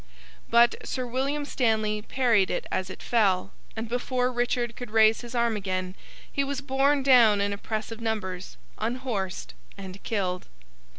But, Sir William Stanley parried it as it fell, and before Richard could raise his arm again, he was borne down in a press of numbers, unhorsed, and killed.